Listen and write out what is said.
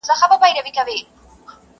د عذاب علت یې کش کړ په مشوکي!.